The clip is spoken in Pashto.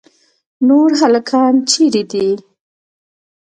نور هلکان چیرې دي.